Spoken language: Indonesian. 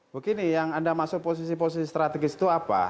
begini yang anda masuk posisi posisi strategis itu apa